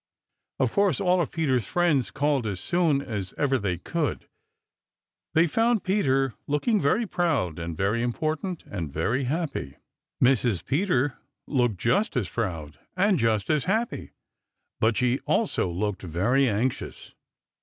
Of course all of Peter's friends called as soon as ever they could. They found Peter looking very proud, and very important, and very happy. Mrs. Peter looked just as proud, and just as happy, but she also looked very anxious.